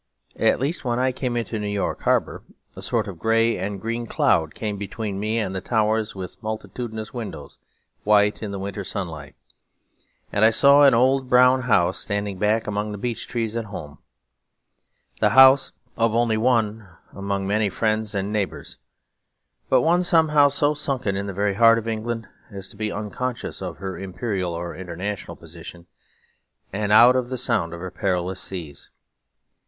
At least when I came into New York Harbour, a sort of grey and green cloud came between me and the towers with multitudinous windows, white in the winter sunlight; and I saw an old brown house standing back among the beech trees at home, the house of only one among many friends and neighbours, but one somehow so sunken in the very heart of England as to be unconscious of her imperial or international position, and out of the sound of her perilous seas.